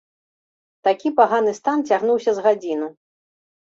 Такі паганы стан цягнуўся з гадзіну.